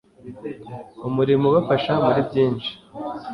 umurimo ubafasha muri byinshi